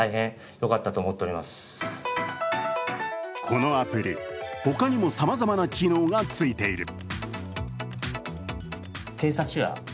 このアプリ、他にもさまざまな機能が付いている。